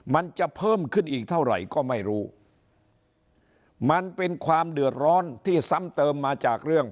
มันจะเพิ่มขึ้นอีกเท่าไหร่ก็ไม่รู้มันเป็นความเดือดร้อนที่ซ้ำเติมมาจากเรื่อง